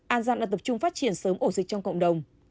an giang đã tập trung phát triển sớm ổ dịch trong cộng đồng